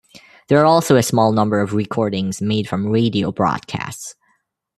There are also a small number of recordings made from radio broadcasts.